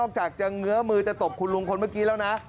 จากจะเงื้อมือจะตบคุณลุงคนเมื่อกี้แล้วนะ